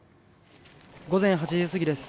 午前８時過ぎです。